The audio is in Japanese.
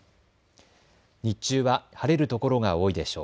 日中は晴れるところが多いでしょう。